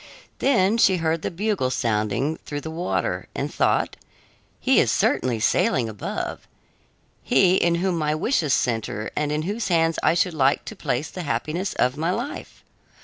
Then she heard the bugle sounding through the water and thought: "He is certainly sailing above, he in whom my wishes center and in whose hands I should like to place the happiness of my life.